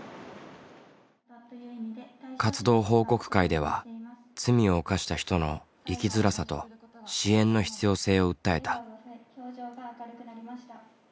活動報告会では罪を犯した人の生きづらさと支援の必要性を訴えた。